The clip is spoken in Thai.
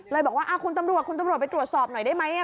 เลยบอกว่าคุณตำรวจไปตรวจสอบหน่อยได้ไหม